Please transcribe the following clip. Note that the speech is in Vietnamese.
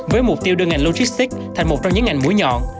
với mục tiêu đưa ngành logistics thành một trong những ngành mũi nhọn